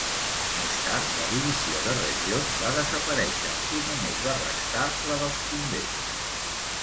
Més tard la divisió de regions va desaparèixer i només va restar la dels convents.